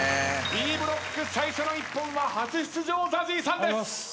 Ｂブロック最初の一本は初出場ＺＡＺＹさんです！